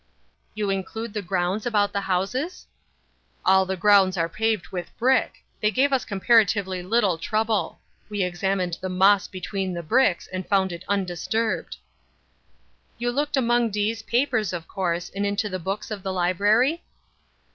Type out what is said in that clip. "You include the grounds about the houses?" "All the grounds are paved with brick. They gave us comparatively little trouble. We examined the moss between the bricks, and found it undisturbed." "You looked among D——'s papers, of course, and into the books of the library?"